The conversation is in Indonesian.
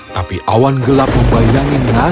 tapi awan gelap membayangi nasib anak itu